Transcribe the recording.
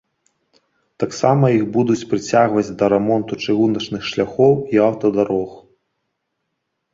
Таксама іх будуць прыцягваць да рамонту чыгуначных шляхоў і аўтадарог.